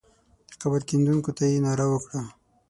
د قبر کیندونکو ته یې ناره وکړه.